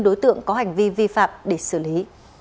đối tượng có hành vi vi phạm để xử lý